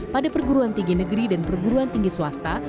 pada perguruan tinggi negeri dan perguruan tinggi swasta